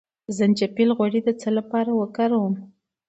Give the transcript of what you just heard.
د زنجبیل غوړي د څه لپاره وکاروم؟